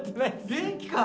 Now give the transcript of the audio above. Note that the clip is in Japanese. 元気か？